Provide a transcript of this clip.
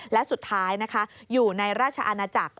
และสุดท้ายนะคะอยู่ในราชอาณาจักร